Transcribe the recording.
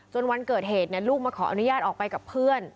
วันเกิดเหตุลูกมาขออนุญาตออกไปกับเพื่อน